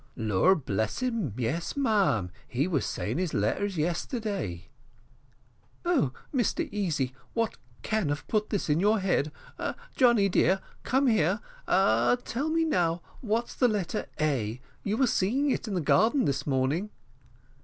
"Lord bless him, yes, ma'am, he was saying his letters yesterday." "Oh, Mr Easy, what can have put this in your head? Johnny dear, come here tell me now what's the letter A. You were singing it in the garden this morning."